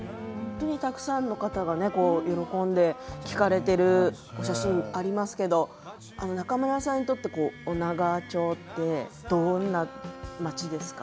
たくさんの方が喜んで聴かれている写真がありますけれど中村さんにとって女川町というのはどんな町ですか。